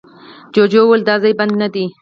جوجو وويل، دا ځای بد نه دی.